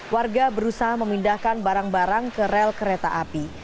warga berusaha memindahkan barang barang ke rel kereta api